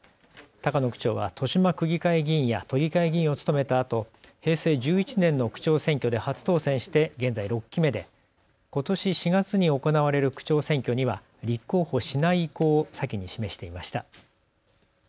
高野区長は豊島区議会議員や都議会議員を務めたあと平成１１年の区長選挙で初当選して現在６期目でことし４月に行われる区長選挙には立候補しない意向を先に示していました。